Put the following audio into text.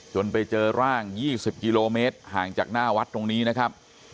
ไปเจอร่าง๒๐กิโลเมตรห่างจากหน้าวัดตรงนี้นะครับ